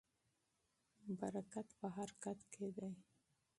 برکت په حرکت کې دی.